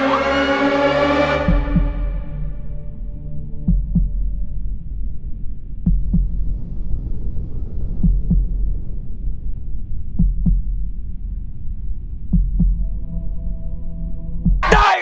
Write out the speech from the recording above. ร้องได้ให้ร้าง